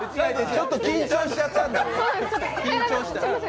ちょっと緊張したんだ。